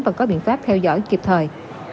và có biện pháp theo dõi kịp thời